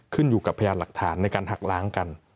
ขึ้นอยู่กับพยานหลักฐานในการหักล้างกัน